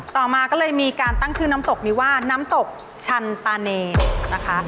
ต่อมาก็เลยมีการตั้งชื่อน้ำตกนี้ว่าน้ำตกชันตาเนนะคะ